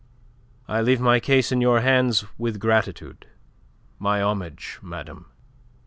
"I leave my case in your hands with gratitude. My homage, madame."